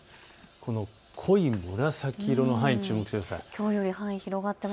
この濃い紫色の範囲に注目してください。